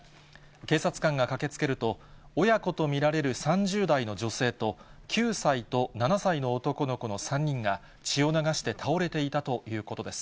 警察官が駆けつけると、親子と見られる３０代の女性と、９歳と７歳の男の子の３人が、血を流して倒れていたということです。